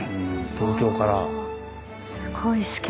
東京から。